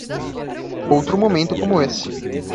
Outro momento como esse.